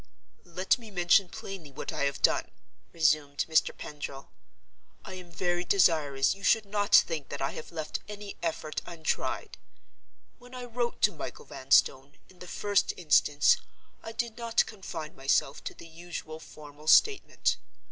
"Let me mention plainly what I have done," resumed Mr. Pendril; "I am very desirous you should not think that I have left any effort untried. When I wrote to Michael Vanstone, in the first instance, I did not confine myself to the usual formal statement.